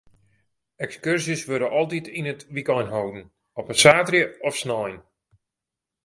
Ekskurzjes wurde altyd yn it wykein holden, op in saterdei of snein.